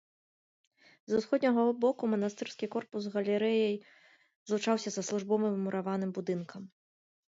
З усходняга боку манастырскі корпус галерэяй злучаўся са службовым мураваным будынкам.